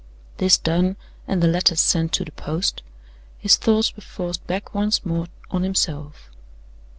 This done, and the letters sent to the post, his thoughts were forced back once more on himself.